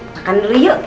makan dulu yuk